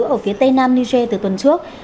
ở phía tây nam niger từ tuần trước